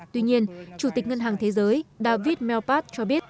tuy nhiên chủ tịch ngân hàng thế giới david melpat cho biết